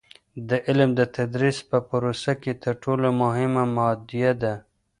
د علم د تدریس په پروسه کې تر ټولو مهمه مادیه ده.